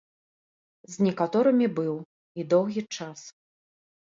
З некаторымі быў, і доўгі час.